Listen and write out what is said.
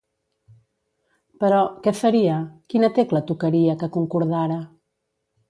Però, què faria? Quina tecla tocaria que concordara?